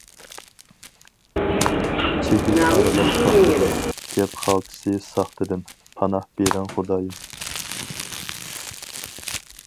چىگىت ئارىلاش پاختىدىن، گەپ خالتىسى ساختىدىن پاناھ بېرىڭ خۇدايىم.